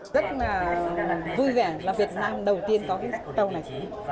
rất là vui vẻ là việt nam đầu tiên có cái tàu này